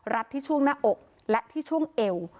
ที่ช่วงหน้าอกและที่ช่วงเอว